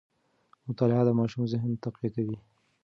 مطالعه د ماشوم ذهن تقویه کوي.